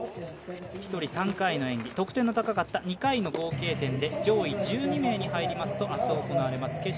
１人３回の演技、得点の高かった２回の合計点で上位１２名に入りますと明日行われます